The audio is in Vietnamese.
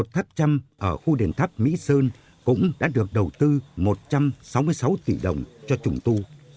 một mươi một tháp trăm ở khu đền tháp mỹ sơn cũng đã được đầu tư một trăm sáu mươi sáu tỷ đồng cho chủng tu